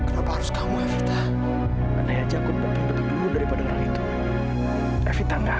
jadian seperti ini